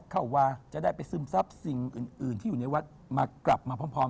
ขอบคุณครับ